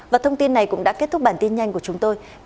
và thông tin này cũng đã kết thúc bản tin nhanh của chúng tôi